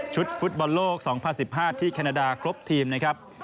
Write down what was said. ฟุตบอลโลก๒๐๑๕ที่แคนาดาครบทีมนะครับ